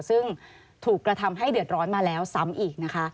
ซึ่งถูกกระทำให้เดือดร้อนมาแล้วซ้ำอีกนะคะ